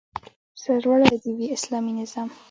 سرلوړی دې وي اسلامي نظام